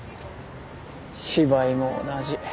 芝居も同じ。